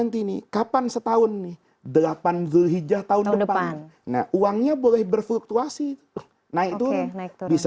tidak ada patokan khusus